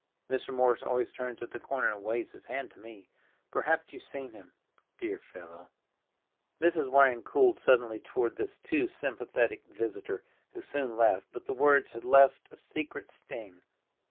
Mr. Morris always turns at the corner and waves his hand to me; perhaps you've seen him—dear fellow!" Mrs. Waring cooled suddenly toward this too sympathetic visitor, who soon left, but the words had left a secret sting.